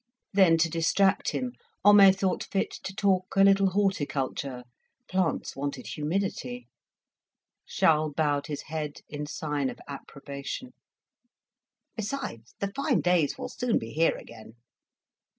Then to distract him, Homais thought fit to talk a little horticulture: plants wanted humidity. Charles bowed his head in sign of approbation. "Besides, the fine days will soon be here again."